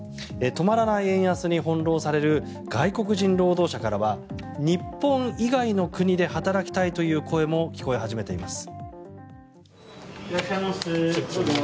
止まらない円安に翻ろうされる外国人労働者からは日本以外の国で働きたいという声も聞こえ始めています。